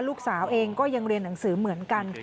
ลูกสาวเองก็ยังเรียนหนังสือเหมือนกัน